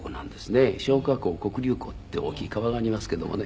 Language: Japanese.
松花江黒竜江って大きい川がありますけどもね。